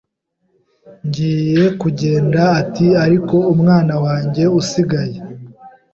ngiye kugenda ati ariko umwana wanjye usigaye